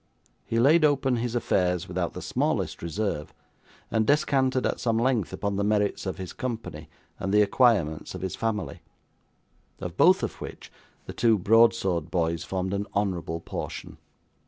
He laid open his affairs without the smallest reserve, and descanted at some length upon the merits of his company, and the acquirements of his family; of both of which, the two broad sword boys formed an honourable portion.